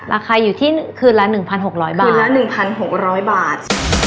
ราคาอยู่ที่คืนละ๑๖๐๐บาท